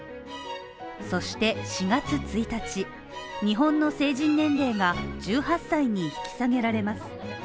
そして、４月１日、日本の成人年齢が１８歳に引き下げられます。